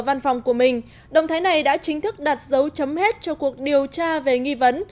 văn phòng của mình động thái này đã chính thức đặt dấu chấm hết cho cuộc điều tra về nghi vấn